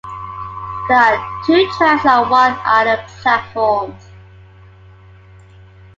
There are two tracks and one island platform.